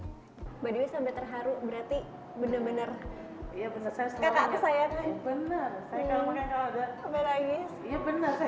bagi umi sampai terharu berarti benar benar